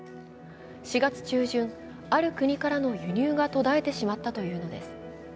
４月中旬、ある国からの輸入が途絶えてしまったというのです。